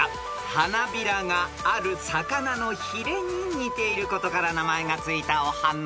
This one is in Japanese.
［花びらがある魚のひれに似ていることから名前が付いたお花］